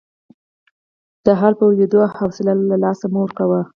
د حال په لیدو حوصله له لاسه مه ورکوئ.